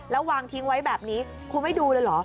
แล้ววางทิ้งไว้แบบนี้คุณไม่ดูเลยเหรอ